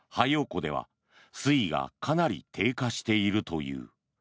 湖では水位がかなり低下しているという。